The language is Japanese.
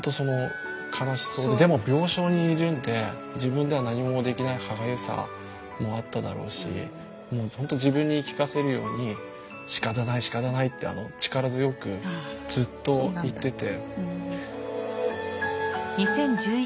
でも病床にいるんで自分では何もできない歯がゆさもあっただろうしもう本当自分に言い聞かせるようにしかたないしかたないって力強くずっと言ってて。